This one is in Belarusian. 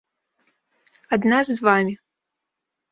Ад нас з вамі.